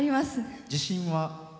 自信は？